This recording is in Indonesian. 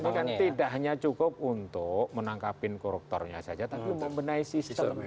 ini kan tidak hanya cukup untuk menangkapin koruptornya saja tapi membenahi sistem